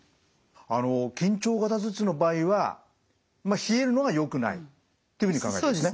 あの緊張型頭痛の場合は冷えるのがよくないっていうふうに考えるんですね。